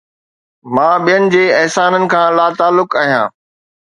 مان ٻين جي احساسن کان لاتعلق آهيان